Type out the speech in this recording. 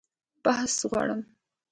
بخت غواړم